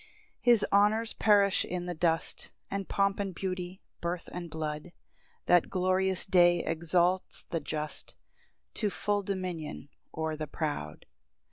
5 His honours perish in the dust, And pomp and beauty, birth and blood: That glorious day exalts the just To full dominion o'er the proud.